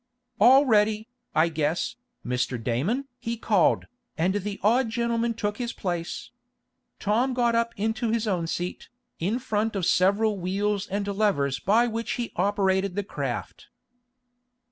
"All ready, I guess, Mr. Damon!" he called, and the odd gentleman took his place. Tom got up into his own seat, in front of several wheels and levers by which he operated the craft.